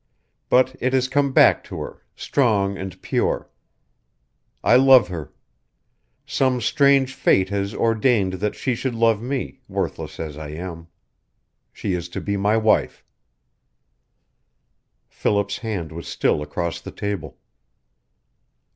But it has come back to her, strong and pure. I love her. Some strange fate has ordained that she should love me, worthless as I am. She is to be my wife." Philip's hand was still across the table.